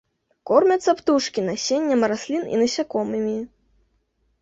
Кормяцца птушкі насеннем раслін і насякомымі.